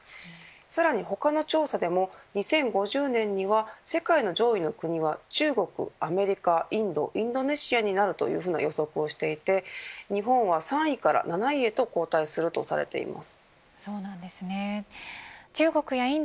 さらに他の調査でも２０５０年には世界の上位の国は中国、アメリカインド、インドネシアになるという予想をしていて日本は３位から７位へと後退するとされています。